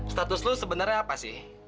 status lu sebenarnya apa sih